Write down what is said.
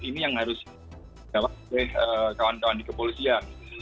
ini yang harus dijawab oleh kawan kawan di kepolisian